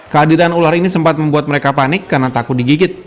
kehadiran ular ini sempat membuat mereka panik karena takut digigit